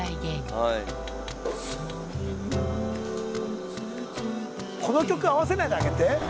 『サンサーラ』この曲合わせないであげて。